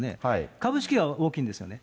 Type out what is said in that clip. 株式は大きいんですよね。